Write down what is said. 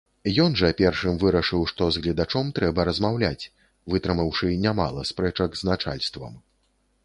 Ён жа першым вырашыў, што з гледачом трэба размаўляць, вытрымаўшы нямала спрэчак з начальствам.